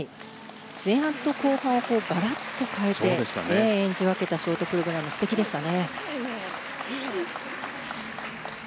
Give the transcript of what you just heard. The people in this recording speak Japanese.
前半と後半をガラッと変えて演じ分けたショートプログラム素敵でしたね。